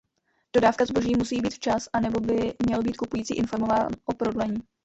Dodávka zboží musí být včas anebo by měl být kupující informován o prodlení.